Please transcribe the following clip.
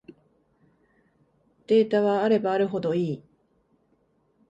データはあればあるほどいい